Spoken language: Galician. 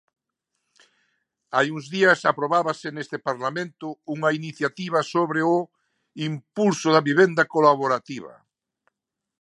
Hai uns días aprobábase neste Parlamento unha iniciativa sobre o impulso da vivenda colaborativa.